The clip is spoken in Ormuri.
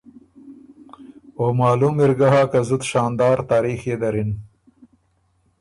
او معلوم اِر ګۀ هۀ که زُت شاندار تاریخ يې دَرِن،